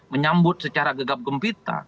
menyambut secara gegap gempita